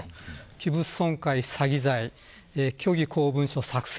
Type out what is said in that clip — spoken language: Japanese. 器物損害、詐欺罪虚偽公文書作成